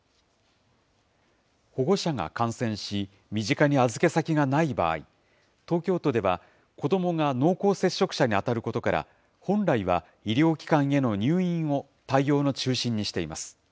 保護者が感染し、身近に預け先がない場合、東京都では、子どもが濃厚接触者に当たることから、本来は医療機関への入院を対応の中心にしています。